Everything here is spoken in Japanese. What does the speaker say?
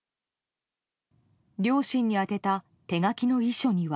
両親に宛てた手書きの遺書には。